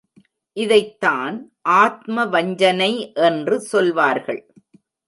இதைத்தான் ஆத்ம வஞ்சனை என்று சொல்வார்கள்.